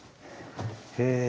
へえ。